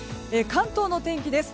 関東の天気です。